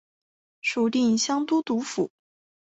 属定襄都督府。